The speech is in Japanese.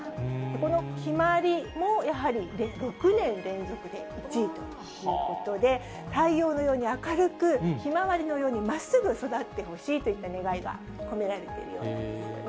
この陽葵もやはり６年連続で１位ということで、太陽のように明るく、ひまわりのようにまっすぐ育ってほしいといった願いが込められているようなんですね。